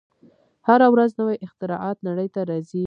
هره ورځ نوې اختراعات نړۍ ته راځي.